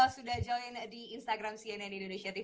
sudah join di instagram cnn indonesia tv